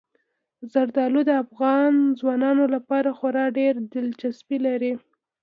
زردالو د افغان ځوانانو لپاره خورا ډېره دلچسپي لري.